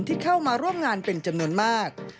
ที่เข้ามาร่วมงานเป็นจำนวนมาก